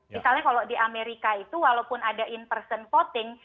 misalnya kalau di amerika itu walaupun ada in person voting